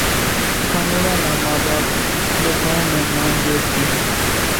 ڪانوڙا نان ما ٻاپ ٻڌانئين نين مانَ ڄي سي